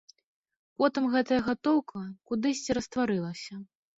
Потым гэтая гатоўка кудысьці растварылася.